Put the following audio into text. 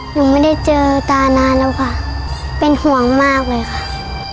หนูไม่ได้เจอตานานแล้วค่ะเป็นห่วงมากเลยค่ะ